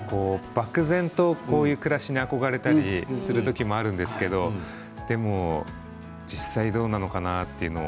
漠然とこういう暮らしに憧れたりする時もあるんですけどでも実際どうなのかなというのを